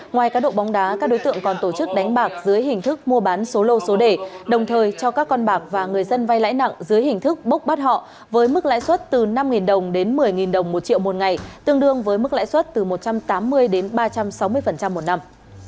ngoài cá độ bóng đá các đối tượng còn tổ chức đánh bạc dưới hình thức mua bán số lô số đề đồng thời cho các con bạc và người dân vay lãi nặng dưới hình thức bốc bắt họ với mức lãi suất từ năm đồng đến một mươi đồng một triệu một ngày tương đương với mức lãi suất từ một trăm tám mươi đến ba trăm sáu mươi một năm